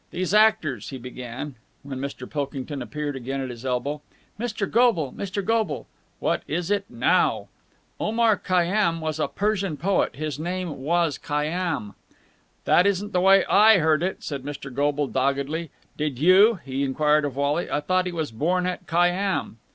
"These actors...." he began, when Mr. Pilkington appeared again at his elbow. "Mr. Goble! Mr. Goble!" "What is it now?" "Omar Khayyám was a Persian poet. His name was Khayyám." "That wasn't the way I heard it," said Mr. Goble doggedly. "Did you?" he enquired of Wally. "I thought he was born at Khayyám."